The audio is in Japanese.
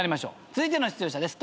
続いての出場者です。